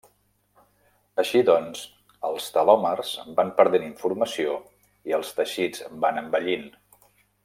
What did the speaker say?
Així doncs, els telòmers van perdent informació i els teixits van envellint.